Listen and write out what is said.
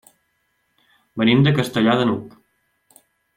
Venim de Castellar de n'Hug.